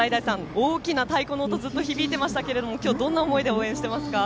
大きな太鼓の音が響いていましたが今日はどんな思いでたたいていますか。